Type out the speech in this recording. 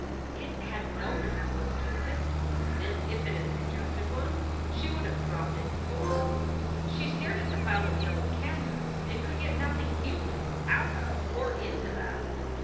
It had no resemblance to a pistol, and if it had suggested one she would have dropped it in horror. She stared at the pile of yellow canvas and could get nothing human out of or into that.